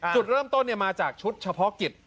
จุดเริ่มต้นมาจากชุดเฉพาะกิจ